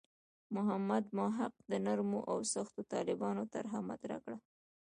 محمد محق د نرمو او سختو طالبانو طرح مطرح کړه.